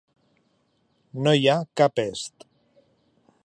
No hi ha cap est.